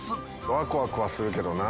ワクワクはするけどな。